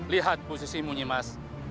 lihat posisi munyi mas